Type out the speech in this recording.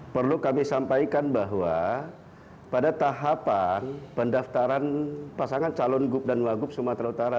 perlu kami sampaikan bahwa pada tahapan pendaftaran pasangan calon gub dan wagub sumatera utara